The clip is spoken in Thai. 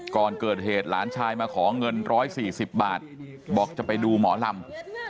ก่อนเกิดเหตุหลานชายมาขอเงิน๑๔๐บาทบอกจะไปดูหมอลำ